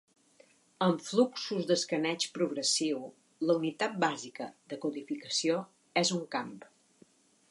En fluxos d'escaneig progressiu, la unitat bàsica de codificació és un camp.